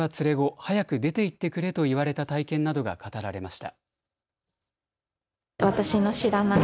早く出て行ってくれと言われた体験などが語られました。